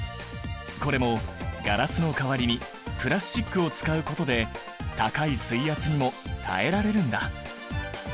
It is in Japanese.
これもガラスの代わりにプラスチックを使うことで高い水圧にも耐えられるんだ。